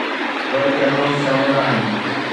volcanoes شامل آهن